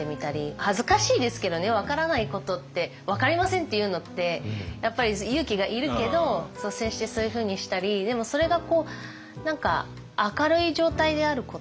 恥ずかしいですけどね分からないことって「分かりません」って言うのってやっぱり勇気がいるけど率先してそういうふうにしたりでもそれが何か明るい状態であること。